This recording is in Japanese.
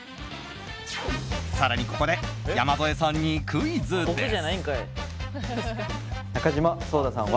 更に、ここで山添さんにクイズです。